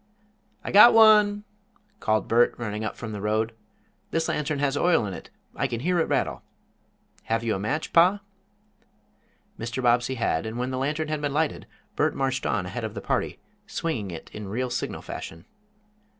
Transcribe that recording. "I got one!" called Bert, running up from the road. "This lantern has oil in, I can hear it rattle. Have you a match, pa?" Mr. Bobbsey had, and when the lantern had been lighted, Bert marched on ahead of the party, swinging it in real signal fashion.